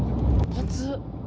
熱っ。